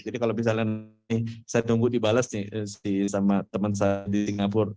jadi kalau misalnya saya tunggu dibalas sama teman saya di singapura